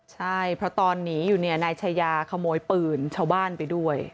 ใช่เพราะตอนหนีอยู่เนี่ยนายชายาขโมยปืนชาวบ้านไปด้วย